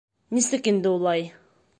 Нисек инде улай?